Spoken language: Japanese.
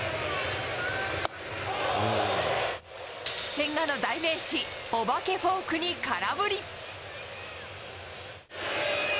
千賀の代名詞、お化けフォークに空振り。